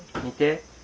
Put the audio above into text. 見て。